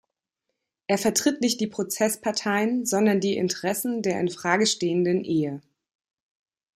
Er vertritt nicht die Prozessparteien, sondern die Interessen der in Frage stehenden Ehe.